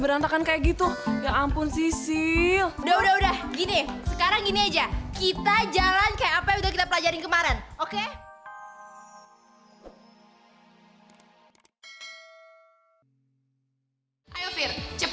jalan kayak apa yang udah kita pelajarin kemarin oke